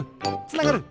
つながる！